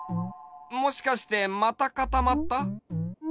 もしかしてまたかたまった？